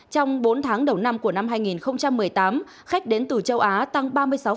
trong bốn tháng đầu năm của năm hai nghìn một mươi tám khách đến từ châu á tăng ba mươi sáu